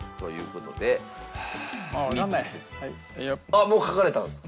あっもう書かれたんですか？